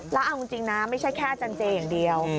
แล้วเอาจริงนะไม่ใช่แค่อาจารย์เจอย่างเดียว